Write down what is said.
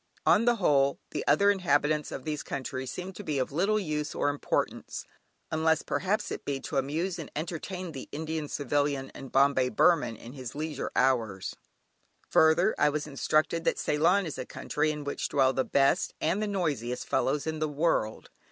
On the whole, the other inhabitants of these countries seem to be of little use or importance, unless perhaps it be to amuse and entertain the Indian Civilian and the "Bombay Burman" in his leisure hours. Further, I was instructed that Ceylon is a country in which dwell the best (and the noisiest!) fellows in the world.